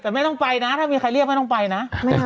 แต่ไม่ต้องไปนะถ้ามีใครเรียกไม่ต้องไปนะ